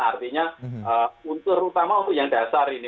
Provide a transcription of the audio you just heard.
artinya untuk utama yang dasar ini